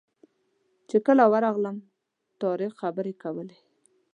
چې کله ورغلم طارق خبرې کولې.